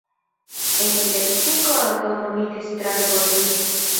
En Lepsiko ankaŭ nomitis strato por li.